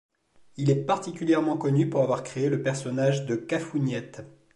Il est particulièrement connu pour avoir créé le personnage de Cafougnette.